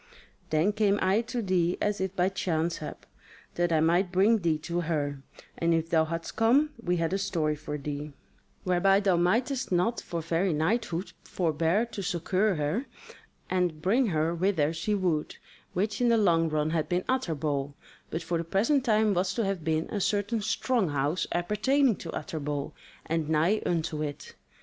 Then came I to thee as if by chance hap, that I might bring thee to her; and if thou hadst come, we had a story for thee, whereby thou mightest not for very knighthood forbear to succour her and bring her whither she would, which in the long run had been Utterbol, but for the present time was to have been a certain strong house appertaining to Utterbol, and nigh unto it.